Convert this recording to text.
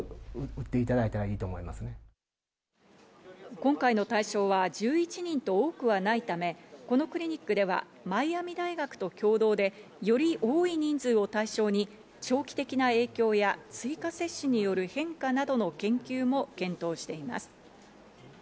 今回の対象は１１人と多くはないため、このクリニックではマイアミ大学と共同でより多い人数を対象に長期的な影響や追加接種による変化などの研究も検討しています。